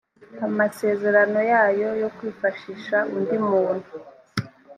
amasezerano yayo yo kwifashisha undi muntu